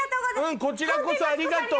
こちらこそありがとう。